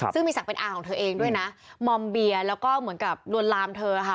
ซึ่งมีศักดิ์เป็นอาของเธอเองด้วยนะมอมเบียแล้วก็เหมือนกับลวนลามเธอค่ะ